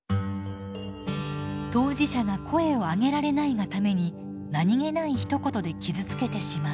当事者が声をあげられないがために何気ないひと言で傷つけてしまう。